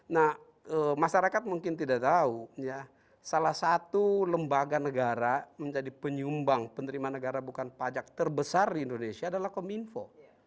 nah masyarakat mungkin tidak tahu salah satu lembaga negara menjadi penyumbang penerimaan negara bukan pajak terbesar di indonesia adalah kominfo